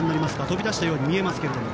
飛び出したように見えますが。